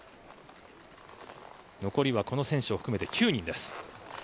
残りはこの選手を含めて９人です。